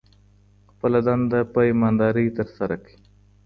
خپله دنده په ایماندارۍ ترسره کړئ.